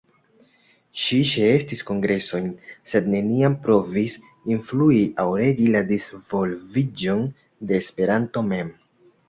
Ŝi ĉeestis kongresojn, sed neniam provis influi aŭ regi la disvolviĝon de Esperanto mem.